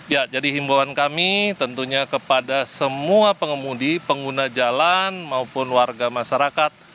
ya jadi himbauan kami tentunya kepada semua pengemudi pengguna jalan maupun warga masyarakat